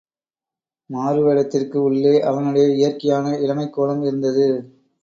மாறுவேடத்திற்கு உள்ளே அவனுடைய இயற்கையான இளமைக் கோலம் இருந்தது.